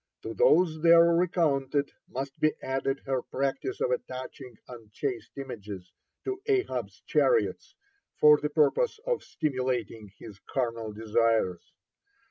To those there recounted must be added her practice of attaching unchaste images to Ahab's chariot for the purpose of stimulating his carnal desires.